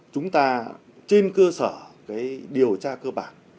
chúng ta trên cơ sở điều tra cơ bản